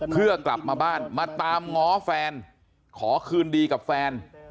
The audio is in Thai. เพื่อกลับมาบ้านมาตามง้อแฟนขอคืนดีกับแฟน